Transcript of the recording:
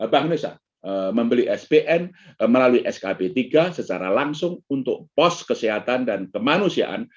bank indonesia membeli spn melalui skb tiga secara langsung untuk pos kesehatan dan kemanusiaan